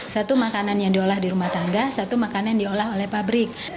satu makanan yang diolah di rumah tangga satu makanan yang diolah oleh pabrik